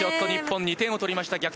日本２点を取りました。